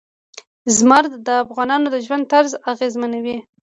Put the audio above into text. زمرد د افغانانو د ژوند طرز اغېزمنوي.